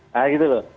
nah gitu loh